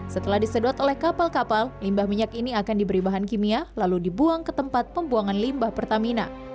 setelah disedot oleh kapal kapal limbah minyak ini akan diberi bahan kimia lalu dibuang ke tempat pembuangan limbah pertamina